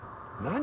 何？